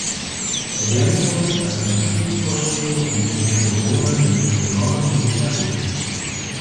Ergänzungen, Alternativvorschläge und Diskussionen sind willkommen und erwünscht.